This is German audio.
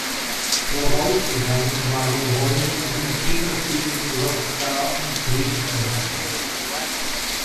Vorausgegangen waren Rollen in den Kinofilmen "Rock Star" und "Dreamcatcher".